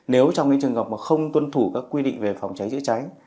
nếu trong trường hợp không tuân thủ các quy định về phòng cháy chữa cháy